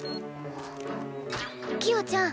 キヨちゃん